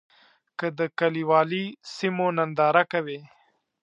که د کلیوالي سیمو ننداره کوې.